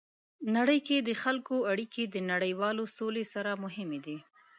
نړۍ کې د خلکو اړیکې د نړیوالې سولې لپاره مهمې دي.